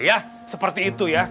ya seperti itu ya